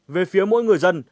về phía mỗi người dân